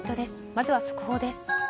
まずは速報です。